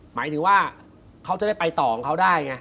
หมายถึงว่าเขาจะได้ไปต่อของเขาได้ไง